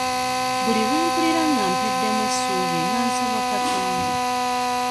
Buli lwe mpulira nga mpeddemu essuubi nga nsaba Katonda.